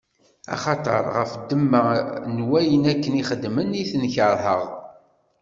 Axaṭer ɣef ddemma n wayen akken i xedmen i ten-keṛheɣ.